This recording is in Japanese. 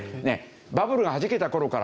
バブルがはじけた頃からね